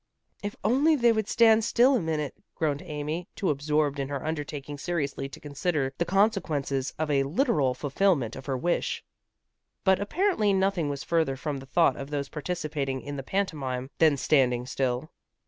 "If only they would stand still a minute," groaned Amy, too absorbed in her undertaking seriously to consider the consequences of a literal fulfilment of her wish. But apparently nothing was further from the thought of those participating in the pantomime than standing still.